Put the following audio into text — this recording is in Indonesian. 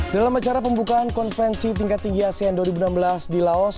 dalam acara pembukaan konferensi tingkat tinggi asean dua ribu enam belas di laos